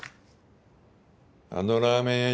あのラーメン屋